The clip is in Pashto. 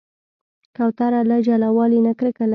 کوتره له جلاوالي نه کرکه لري.